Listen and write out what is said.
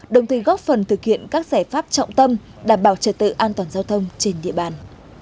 đồng thời góp phần thực hiện các giải pháp trọng tâm đảm bảo trật tự an toàn giao thông trên địa bàn